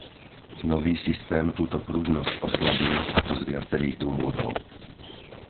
Nový systém túto pružnosť oslabí a to z viacerých dôvodov.